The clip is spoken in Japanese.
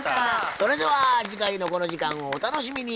それでは次回のこの時間をお楽しみに。